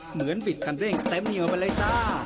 เหมือนบิดคันเร่งเต็มเหนียวไปเลยจ้ะ